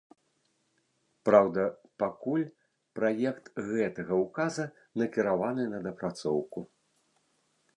Праўда, пакуль праект гэтага ўказа накіраваны на дапрацоўку.